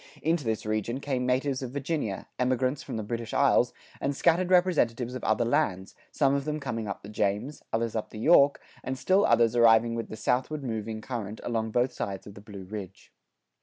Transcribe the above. [93:3] Into this region came natives of Virginia, emigrants from the British isles, and scattered representatives of other lands, some of them coming up the James, others up the York, and still others arriving with the southward moving current along both sides of the Blue Ridge.